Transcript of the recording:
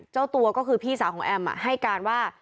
เจ้าตัวก็คือพี่สาวของแอมให้การว่า